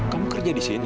kamu kerja di sini